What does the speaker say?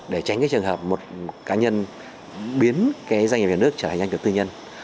để tránh trường hợp một cá nhân biến doanh nghiệp nhà nước trở thành doanh nghiệp tư nhân